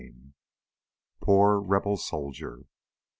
17 _Poor Rebel Soldier....